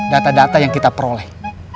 data data yang kita peroleh